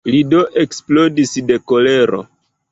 Li do eksplodis de kolero.